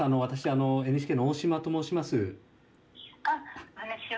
あのＮＨＫの大島と申します。